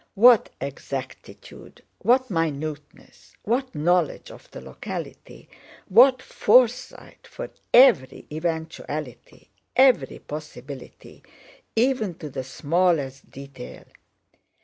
What exactitude, what minuteness, what knowledge of the locality, what foresight for every eventuality, every possibility even to the smallest detail!